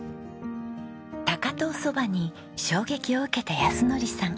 高遠そばに衝撃を受けた靖典さん。